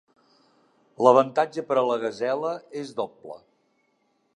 L'avantatge per a la gasela és doble.